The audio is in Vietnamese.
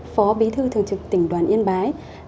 phó bí thư thường trực tỉnh đoàn yên bái